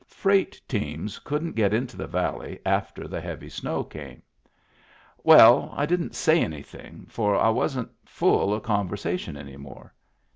Freight teams couldn't get into the valley after the heavy snow came. Well, I didn't say anythin', for I wasn't full of conversation any more.